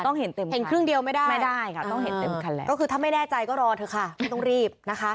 ต้องเห็นเต็มคันไม่ได้ก็คือถ้าไม่แน่ใจก็รอเถอะค่ะไม่ต้องรีบนะคะ